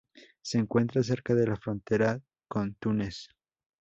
Se encuentra cerca de la frontera con Túnez.